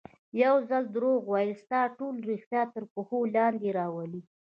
یو ځل دروغ ویل ستا ټول ریښتیا تر پوښتنې لاندې راولي.